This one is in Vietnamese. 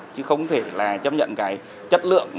chứ không thể là chấp nhận cái chất lượng